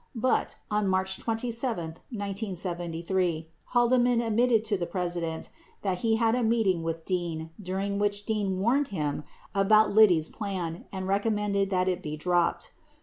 77 But, on March 27, 1973, Haldeman ad mitted to the President that he had a meeting with Dean during which Dean warned him about Liddy's plan and recommended that it be dropped.